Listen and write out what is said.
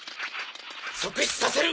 即死させる！